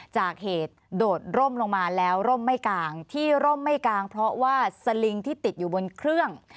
จากเหตุโดดร่มลงมาแล้วร่มไม่กลางที่ร่มไม่กลางเพราะว่าสลิงที่ติดอยู่บนเครื่อง